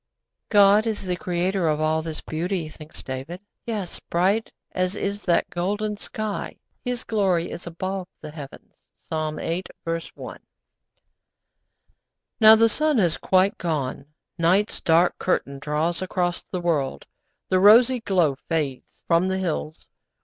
'God is the Creator of all this beauty,' thinks David. 'Yes, bright as is that golden sky, His glory is above the heavens.' (Psalm viii. 1.) Now the sun has quite gone; night's dark curtain draws across the world, the rosy glow fades from the hills.